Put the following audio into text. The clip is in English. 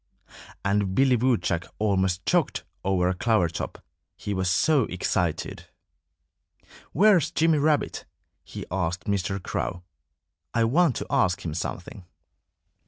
And Billy Woodchuck almost choked over a clover top, he was so excited. "Where's Jimmy Rabbit?" he asked Mr. Crow. "I want to ask him something."